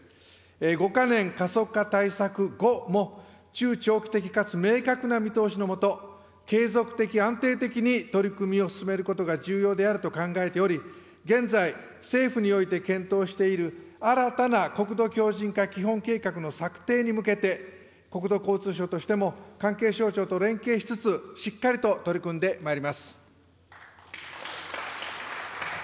５か年加速化対策後も、中長期的かつ明確な見通しの下、継続的、安定的に取り組みを進めることが重要であると考えており、現在、政府において検討している新たな国土強じん化基本計画の策定に向けて、国土交通省としても関係省庁と連携しつつ、しっかりと取り組んでまいります。